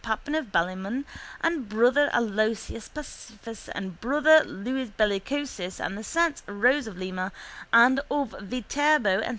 Pappin of Ballymun and Brother Aloysius Pacificus and Brother Louis Bellicosus and the saints Rose of Lima and of Viterbo and S.